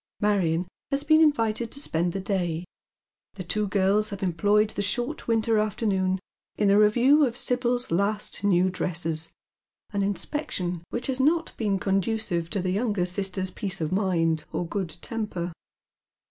Marion has been invited to spend the day ; the two girls have employed the short winter afternoon ue a review of Sibyl's last new dresses, an inspection which has not been conducive to the younger sister's peace of mind or good temper.